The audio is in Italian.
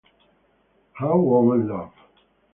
How Women Love